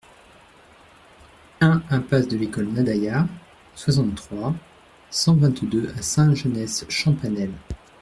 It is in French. un impasse de l'École Nadaillat, soixante-trois, cent vingt-deux à Saint-Genès-Champanelle